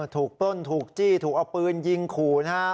ถูกป้นถูกจี้ถูกเอาปืนยิงขู่หน้า